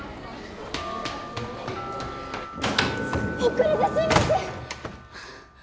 遅れてすいません！